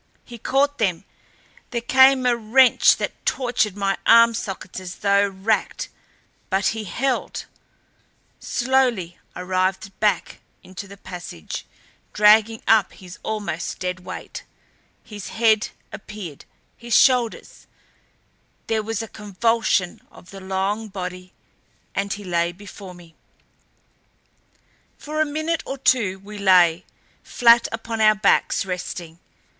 He caught them. There came a wrench that tortured my arm sockets as though racked. But he held! Slowly I writhed back into the passage, dragging up his almost dead weight. His head appeared, his shoulders; there was a convulsion of the long body and he lay before me. For a minute or two we lay, flat upon our backs resting.